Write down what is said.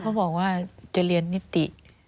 เขาบอกว่าจะเรียนนิติ